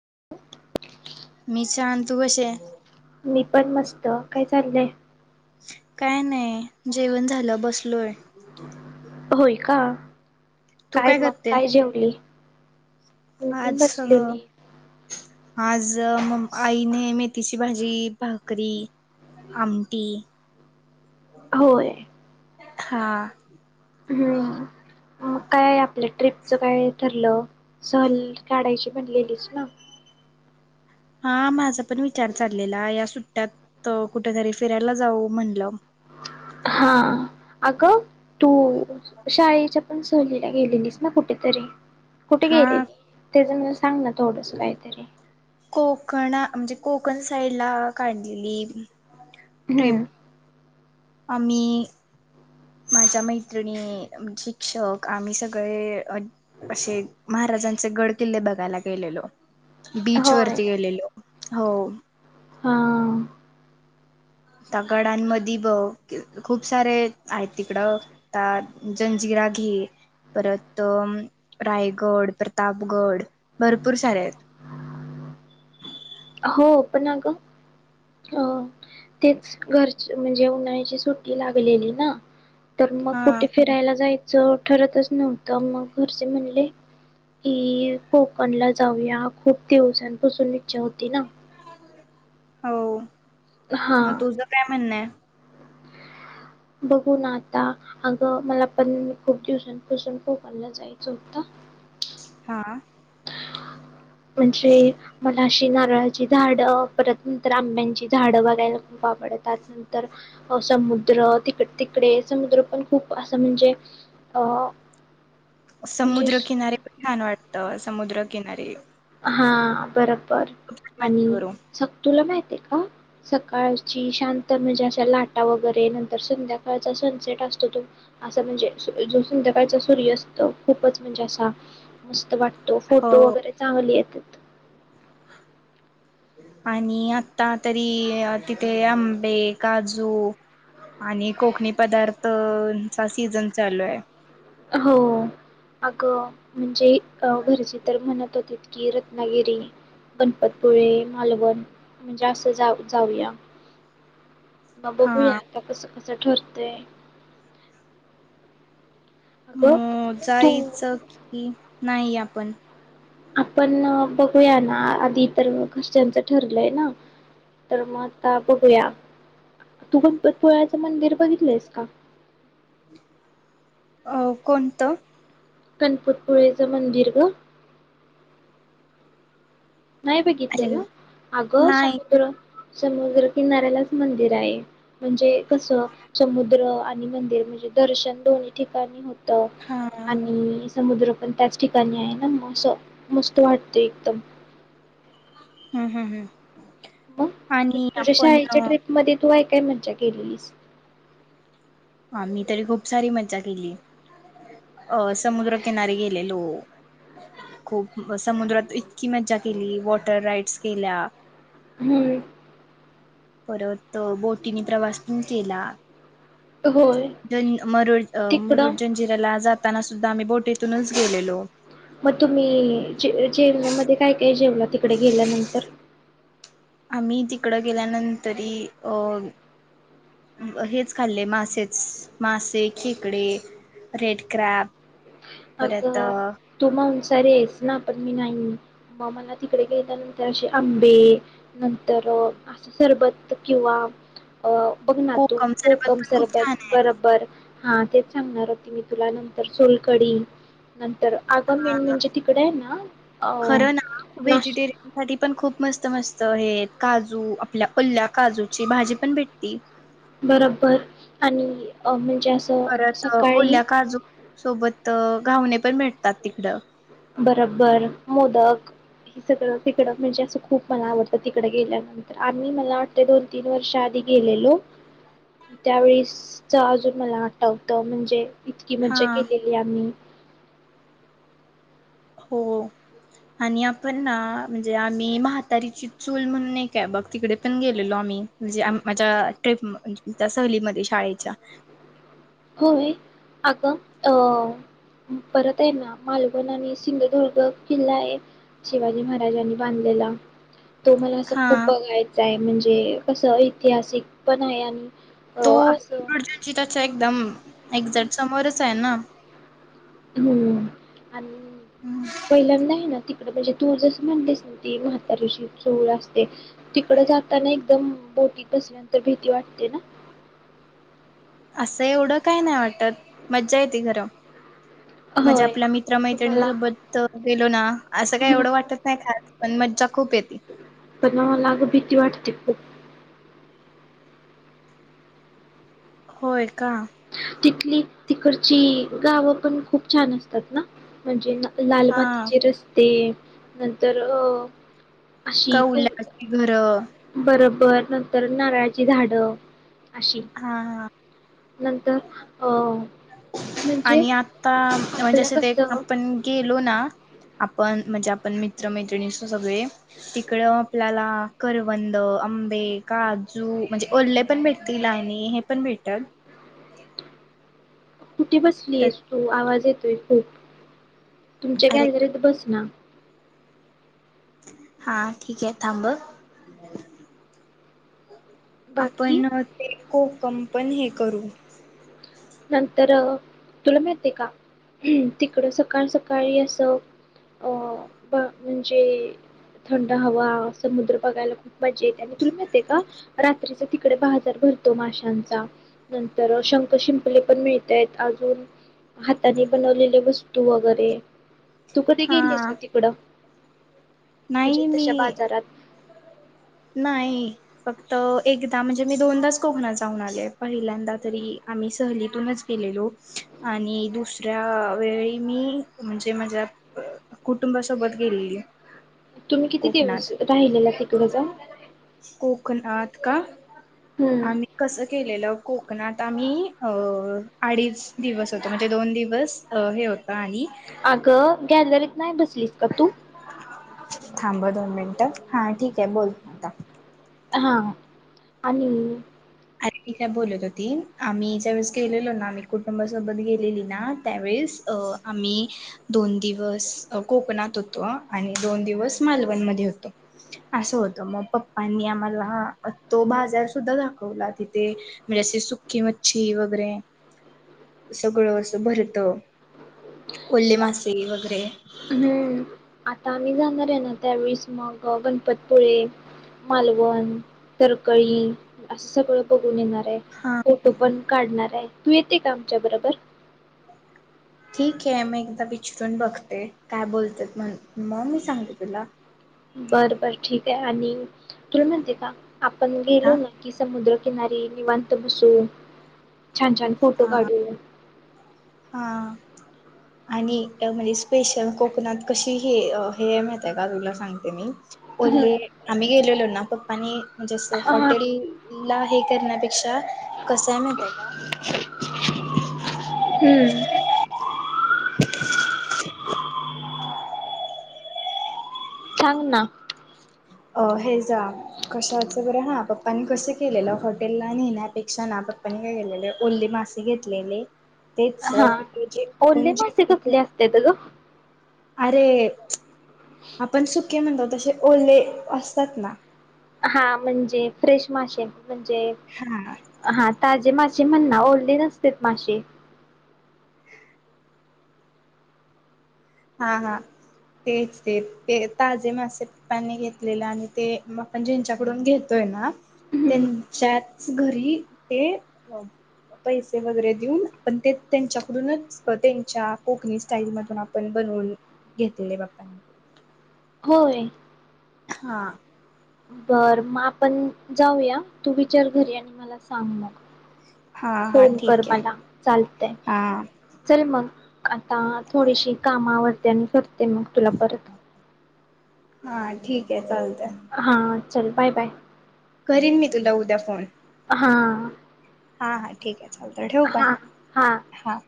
[inaudible] मी छान तू कशी ये. मी पण मस्त काय चाललंय. काय नाही जेवण झालं बसलोय. होय का? तू काय मग करते? काय जेवली? मी पण आज सगळं बसलेली. आज म आईने मेथीची भाजी, भाकरी, आमटी होय. हा. हूं मग काय आप पल्या ट्रीपचं काय ठरलं? सहल काढायची म्हणलेलीस ना? हा माझा पण विचार चाललेला या सुट्ट्यात कुठ तरी फिरायला जाऊ म्हणलं हा अगं तू शाळेच्या पण सहलीला गेलेलीस ना कुठेतरी? कुठे हा गेलेली त्याज [unintelligible] न कोकणा म्हणजे कोकण साईड ला काढलेली. ट्रिप हम्म आम्ही माझ्या मैत्रिणी, शिक्षक, आम्ही सगळे अ असे महाराजांचे गड किल्ले बघायला गेलेलो. बीच होय वरती गेलेलो हो हा त्या गडांमध्ये बग खूप सारे आहेत, तिकडं ता, जंजिरा, घे परत रायगड, प्रतापगड भरपूर सारे आहेत. हो पण अगं अ तेच घर म्हणजे, उन्हाळ्याची सुट्टी लागलेली ना तर मग हा कुठे फिरायला जाय ज ठरतच नव्हत, मग घरचे म्हणले की कोकणला जाऊया, खूप दिवसांपासून इच्छा होत ती ना हो मग हा तुझं काय म्हणणं आहे. बघू ना आता, अगं मला पण खूप दिवसांपासून कोकणला जायचं होत. हा म्हणजे मला अशी नारळाची झाड, परत नंतर आंब्यांची झाडं, बघायला खूप आवडत, नंतर समुद्र तिक तिकडे समुद्र पण खूप असं म्हणजे अ म्हणजे समुद्रकिनारे पण छान वाटत अस समुद्रकिनारीे हा बर बरं आणि करू [unintelligible] माहि ते का सकाळची शांत म्हणजे, अशा लाटा वगैरे नंतर संध्याकाळचा सनसेट असतो, तो असा म्हणजे, जो संध्याकाळचा सूर्यस्त खूपच म्हणजे, असा मस्त वाट तो हो फोटो वगैरे चांगली येत्यात. आणि आता तरी तिथे आंबे, काजू आणि कोकणी पदार्थचा सीझन चालू आहे. हो, अगं म्हणजे घरचे तर म्हणत होती. की रत्नागिरी, गणपतपुळे, मालवण म्हणजे, असं जाऊ जाऊया. मग हा बघूया आता कस क च ठरते. म तू जायचं की. नाही आपण. आपण बघूया ना, आधी तर घरच्यांचं ठरलंय ना, तर मग आता बघूया, तू गणपतीपुळे मंदिर बघितलंयस का. अ कोणतं. गणपतपुळ्याचे मंदिर ग. नाही अरे बघितलेलं अगं नाही समुद्र समुद्र किनाऱ्यालाच मंदिर आहे. म्हणजे कस समुद्र मि म्हणजे दर्शन दोनही ठिकाणी हो त हा हम्म आणि समुद्र पण त्याच ठिकाणी आहे ना, मग असं मस्त वाटत एकदम हम् हम् हम् मग तुझ्या शाळेच्या अ, ट्रिप मध्ये तू आहे काय मज्जा केलीस. आम्ही तरी खूप सारी मज्जा केली. अ समुद्रकिनारी गेलेलो, खूप समुद्रात इतकी मज्जा केली वॉटर राईड्स केल्या, हम्म परत बोटीनी प्रवास पण केला. होय ज मरुड अ तिकडं मुरुड जंजिराला जात ताना सुद्धा आम्ही बोटीतूनच गेलेलो. मग तुम्ही जेवणामध्ये काय काय जेवला तिकडे गेल्यानंतर. आम्ही तिकडं गेल्यानंतरी अ हेच खाल्ले मासेच, मासे खेकडे, रेड क्रॅप अ परत तर हेस ना पण मी नाही, मग मला तिकडे गेल्यानंतर असे आंबे, नंतर असं अ बघ ना तो सरबत कोकम पण खूप सरबत छान आहे बरोबर, हा तेच सांगणार होती मी तुला नंतर सोलकडी ह तर मेन म्हणजे तिकडे आहे ना, अ खरं ना नाश् व्हेजिटेरियन साठी पण खूप मस्त मस्त हे काजू आपल्या पल्ल्या काजूची भाजी पण भेटते. बरोबर आणि म्ह परत ओल्या काजू सोबत घावणे पण भेटतात तिकडं, बरोबर मोदक हे सगळं तिकडं म्हणजे असं खूप मला आवडतं, तिकड गेल्यानंतर आम्ही मला वाटते दोन तीन वर्षा आधी गेलेलो त्यावेेळेस अजून मला आठवतं म्हणजे इतकी हा मज्जा केलेली आम्ही. हो आणि आपण ना म्हणजे आम्ही म्हातारीची चूल म्हणून एके बग तिकडे पण गेलेलो आम्ही म्हणजे माझ्या ट्र्रीप त्या सहलीमध्ये शाळेच्या होय अग अ परत आहे ना मालवण आणि सिंधुदुर्ग किल्ला आहे शिवाजी महाराजांनी बांधलेला. तो मला असं खूप हा बघायचा आहे. म्हणजे कसं ऐतिहासिक पण आहे आणि तो अ [inaudible] असं त्याच्या एकदम एक्झॅक्ट समोरच त्यांना होम् आणि पहिल्यांदा आहे ना त म्हणजे तू जसं म्हणतेस ना ती म्हातारीची चूळ अस ते तिकड जाताना एकदम बोटीत बसल्यानंतर भीती वाटते ना. असं एवढं काही नाही वाटत मज्जा येती खरं. म्हणजे होय आपल्या मित्र मला मैत्रिणीसोबत. गेलो ना. असं काय हम्म. एवढं वाटत नाही खास. पण मज्जा खूप येती. पण मला अगं भीती वाटते खूप. होय का. तिथली तिकडची गावं पण खूप छान असतात ना म्हणजे ना. लाल हा मातीचे रस्ते. नंतर अ अशी कौलाची घरं. बर नंतर नारळाची झाडं. अशी हा हा नंतर अ, म्हणजे आणि आता म्हणजे आपल्या असं ते कसं आपण गेलो ना. आपण म्हणजे आपण मित्र मैत्रिणी सगळे तिकड आपल्याला करवंद आंबे काजू म्हणजे ओले पण भेटत तिल आणि हे पण भेटल. कुठे बसली आहेस तु आवाज येत ते खूप तुमच्या गॅलरीत बसना. हा ठीक आहे थांब. बाकी आपण ते को कंपन हे करू. नंतर तुला माहित आहे का तिकड सकाळ सकाळी असं अ म्हणजे थंड हवा समुद्र बघायला खूप मज्जा येत्या तुला माहित आहे का रात्रीचा तिकडे बाजार भरतो माशांचा नंतर शंख शिंप शिंपले पण मिळतायेत अजून हातानी बनवलेले वस्तू वगैरे तू कधी हा गेलीस का तिकडं म्हणजे नाही मी तशा बाजारात नाही फक्त एकदा म्हणजे मी दोनदाच कोकणात जाऊन आले पहिल्यांदा तरी आम्ही सहलीतूनच गेलेलो आणि दुसऱ्या वेळी मी म्हणजे माझ्या कुटुंबासोबत गेलेली तुम्ही किती कोकणात दिवस राहिलेला तिकडे जावून कोकणात का हम्म आम्ही कसं गेलेलं कोक कोकणात आम्ही अ अडीच दिवस होतो म्हणजे दोन दिवस अ हे होतं आणि अगं केॅलर नाही बसलीस का तू थांब दोन मिनटं हा ठीक आहे बोल आता हा आणि अरे मी काय बोलत होती आम्ही ज्यावेेळेस गेलेलो ना आम्ही कुटुंबासोबत गेलेली ना त्यावेेळेस अ आम्ही दोन दिवस कोकणात होतो आणि दोन दिवस मालवण मध्ये होतो असं होतं मग पप्पांनी आम्हाला तो बाजार सुद्धा दाखव दावला तिथे म्हणजे असे सुकी मच्छी वगैरे सगळं असं भरत. ओल्ले मासे वगैरे हम्म आता आम्ही जाणार आहे ना त्यावेळेस मग गणपतपुळे, मालवण, तरकळी असं सगळं बघून येणार. हा फोटो पण काढणार आहे. तू येते का आमच्या बरोबर? ठीक आहे मी एकदा विचरून बघते काय बोलतात म्ह मग मी सांगते तुला बर बर ठीक आहे आणि तुला माहितीये का? आपण हा गेलो ना की समुद्र किनारी निवांत बसू छान छान फोटो हा काढू हा आणि म्हणजे स्पेशल कोकणात कशी हे हे माहितीये का तुला सांगते मी हम्म ओले मी गेलेलो ना पप्पांनी म्हणजे अस हा हॉटेल ला हे करण्यापेक्षा कस माहिती आहे का? हम्म सांगना अ हे जा कशाचं बरं हा पप्पानी कसं केलेलं हॉटेलला नेण्यापेक्षा ना पप्पानी काय केलेलं ओल्ले मासे घेतलेले तेच हा जे ओले पण मासे जे कसले असत्यात ग? अरे आपण सुके म्हणतो तसे ओले असतात ना हा म्हणजे फ्रेश मासे म्हणजे हा हा ताजे मा म्हण ना ओले नसतेत मासे हा हा तेच ते ते ताजे मासे्पनी घेतलेले आणि ते आपण ज्यांच्याकडून घेतोय ना हम्म त्यांच्याच घरी ते पैसे वगैरे देऊन आपण ते त्यांच्याकडूनच त्यांच्या कोकणी स्टाईल मधून पण बनवून घेतलेले पप्पांनी होय. हा. बर मग आपण जाऊया तू विचार घरी आणि मला सांग मग हा हा फोन कर ठीक आहे मला चालतय हा चल मग आता थोडीशी कामावर त्यानंतर, ते मग तुला परत, हा ठीक आहे चालत हा. चल बाय, बाय. करीन, मी तुला उद्या फोन हां. हा हा ठीक आहे. चालतयं ठेवु का? हां हां हा